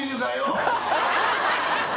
ハハハ